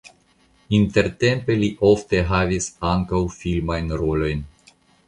Intertempe li ofte havis ankaŭ filmajn rolojn.